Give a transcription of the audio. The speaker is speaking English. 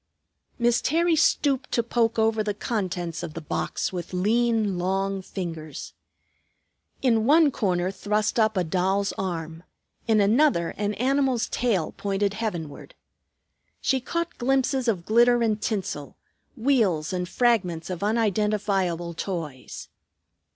Miss Terry stooped to poke over the contents of the box with lean, long fingers. In one corner thrust up a doll's arm; in another, an animal's tail pointed heavenward. She caught glimpses of glitter and tinsel, wheels and fragments of unidentifiable toys.